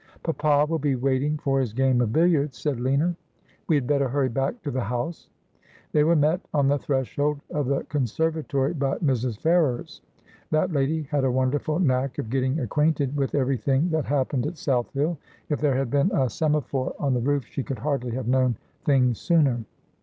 ' Papa will be waiting for his game of billiards,' said Lina. ' We had better hurry back to the house.' They were met on the threshold of the conservatory by Mrs. Ferrers. That lady had a wonderful knack of getting acquainted with everything that happened at South Hill. If there had 108 Asphodel. been a semaphore on the roof she could hardly have known things sooner.